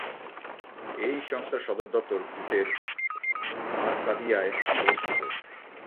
এই সংস্থার সদর দপ্তর গ্রিসের আরকাদিয়ায় অবস্থিত।